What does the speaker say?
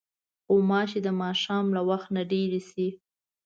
غوماشې د ماښام له وخت نه ډېرې شي.